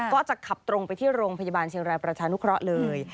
ก็จะขับตรงไปที่โรงพยาบาลเชียงรายประชานุเคราะห์เลย